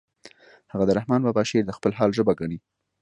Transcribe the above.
هغه د رحمن بابا شعر د خپل حال ژبه ګڼي